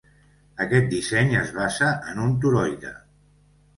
Aquest disseny es basa en un toroide.